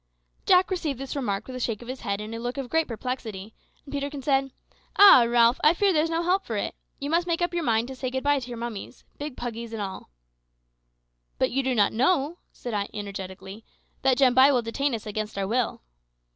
Jack received this remark with a shake of his head and a look of great perplexity; and Peterkin said, "Ah, Ralph, I fear there's no help for it. You must make up your mind to say good bye to your mummies big puggies and all." "But you do not know," said I energetically, "that Jambai will detain us against our will."